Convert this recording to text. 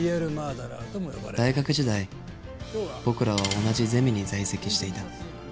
大学時代僕らは同じゼミに在籍していた。